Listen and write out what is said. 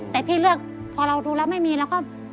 แต่พี่เลือกพอเราดูแล้วไม่มีเราก็